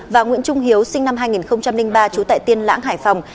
và nguyễn trung hiếu sinh năm hai nghìn ba trú tại tiên lãng hải phòng